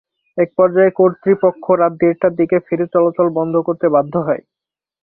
একপর্যায়ে কর্তৃপক্ষ রাত দেড়টার দিকে ফেরি চলাচল বন্ধ করতে বাধ্য হয়।